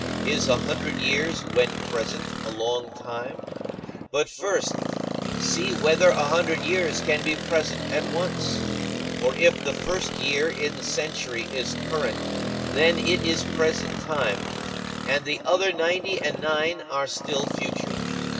Is a hundred years when present a long time? But, first, see whether a hundred years can be present at once. For if the first year in the century is current, then it is present time, and the other ninety and nine are still future.